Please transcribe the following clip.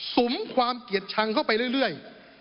สุมความเกลียดชังเข้าไปเรื่อย